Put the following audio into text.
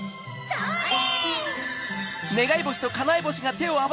それ！